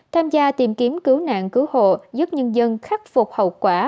tham gia tìm kiếm cứu nạn cứu hộ giúp nhân dân khắc phục hậu quả